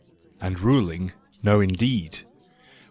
and ruling ? no, indeed